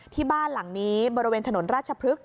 ที่บ้านหลังนี้บริเวณถนนราชพฤกษ